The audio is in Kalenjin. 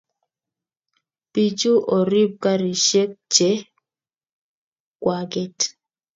Pichu Orib karishek che kwaket